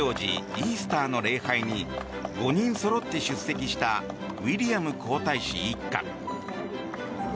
イースターの礼拝に５人そろって出席したウィリアム皇太子一家。